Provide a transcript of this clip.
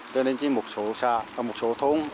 cho nên chỉ một số thông